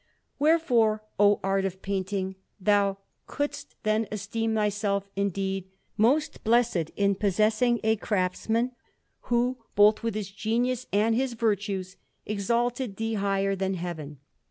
Wherefore, O art of painting, thou couldst then esteem thyself indeed most blessed, in possessing a craftsman who, both with his genius and his virtues, exalted thee higher than Heaven!